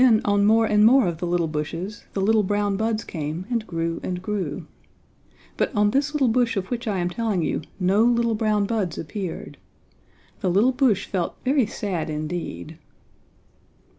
Then on more and more of the little bushes the little brown buds came and grew and grew. But on this little bush of which I am telling you no little brown buds appeared. The little bush felt very sad indeed.